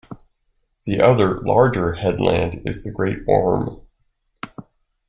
The other, larger, headland is the Great Orme.